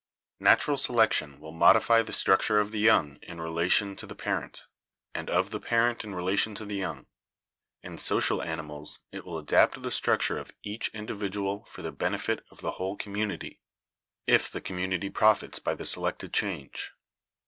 "Natural selection will modify the structure of the young in relation to the parent, and of the parent in rela tion to the young. In social animals it will adapt the structure of each individual for the benefit of the whole community, if the community profits by the selected change.